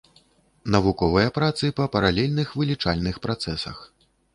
Навуковыя працы па паралельных вылічальных працэсах.